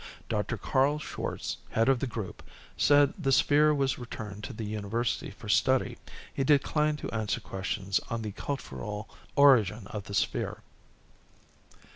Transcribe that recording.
Dr. Karl Schwartz, head of the group, said the sphere was returned to the University for study. He declined to answer questions on the cultural origin of the sphere.